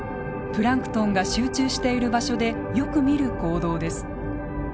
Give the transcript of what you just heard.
プランクトンが集中している場所でよく見る行動です。